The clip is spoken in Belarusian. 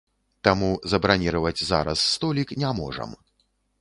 Таму забраніраваць зараз столік не можам.